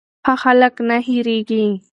ښه خلک نه هېریږي.